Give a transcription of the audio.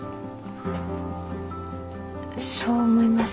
そう思います？